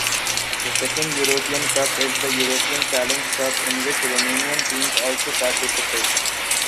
The second European Cup is the European Challenge Cup, in which Romanian teams also participate.